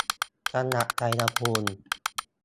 จังหวัดชัยภูมิ